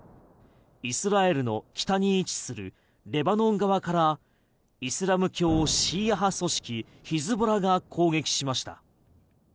イスラエルの北に位置するレバノン側からイスラム教シーア派組織ヒズボラが攻撃しました。